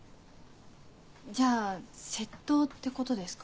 じゃあ窃盗ってことですか？